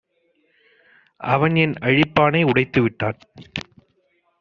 அவன் என் அழிப்பானை உடைத்து விட்டான்.